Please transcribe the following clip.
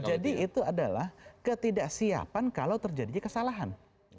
jadi itu adalah ketidaksiapan kalau terjadi kesalahan